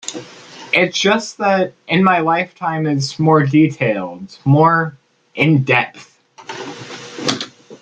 Its just that 'In My Lifetime' is more detailed, more in-depth.